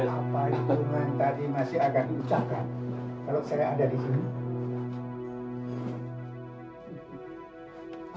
apa itu yang tadi masih akan diucapkan kalau saya ada disini